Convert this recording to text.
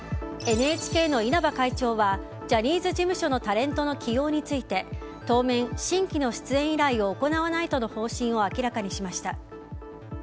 ＮＨＫの稲葉会長はジャニーズ事務所のタレントの起用について当面、新規の出演依頼を行わないとの方針を明らかにしました。